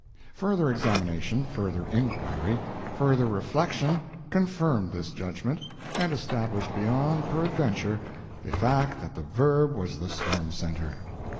Further examination, further inquiry, further reflection, confirmed this judgment, and established beyond peradventure the fact that the Verb was the storm center.